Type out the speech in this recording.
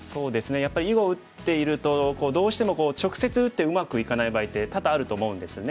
やっぱり囲碁を打っているとどうしても直接打ってうまくいかない場合って多々あると思うんですね。